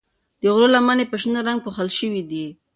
د غرو لمنې په شنه رنګ پوښل شوي دي.